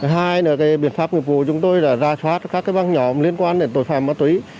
hai là biện pháp nghiệp vụ chúng tôi là ra thoát các băng nhỏ liên quan đến tội phạm ma túy